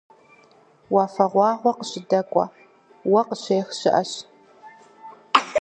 Уафэгъуагъуэ къыщыдэкӀуэ, уэ къыщыдех щыӀэщ.